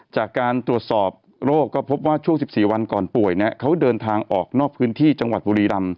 จากการตรวจสอบโรคก็พบว่าช่วง๑๔วันก่อนป่วยเขาเดินทางออกนอกพื้นที่จังหวัดบุรีรำ